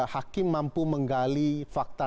hakim mampu menggali fakta